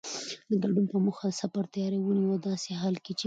د ګډون په موخه د سفر تیاری ونیوه او داسې حال کې چې